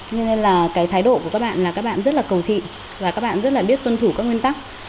cho nên là cái thái độ của các bạn là các bạn rất là cầu thị và các bạn rất là biết tuân thủ các nguyên tắc